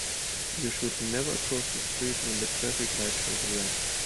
You should never cross the street when the traffic light shows red.